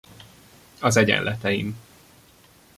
Az egyenleteim.